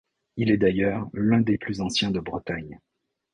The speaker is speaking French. Il est d'ailleurs l'un des plus anciens de Bretagne.